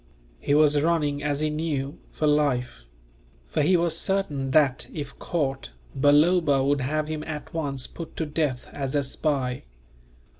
He was running, as he knew, for life; for he was certain that, if caught, Balloba would have him at once put to death as a spy.